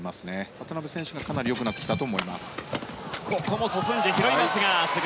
渡辺選手が、かなり良くなってきたと思います。